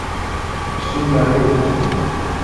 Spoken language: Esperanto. Sub la leĝo?